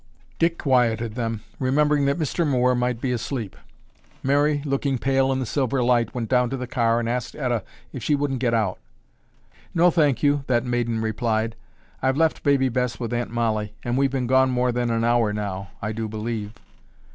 Dick quieted them, remembering that Mr. Moore might be asleep. Mary, looking pale in the silver light, went down to the car and asked Etta if she wouldn't get out. "No, thank you," that maiden replied, "I've left Baby Bess with Aunt Mollie and we've been gone more than an hour now, I do believe."